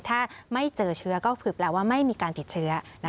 ถ้าไม่เจอเชื้อก็คือแปลว่าไม่มีการติดเชื้อ